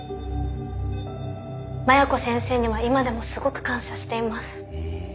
麻弥子先生には今でもすごく感謝しています。